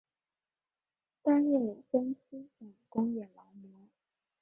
担任山西省工业劳模。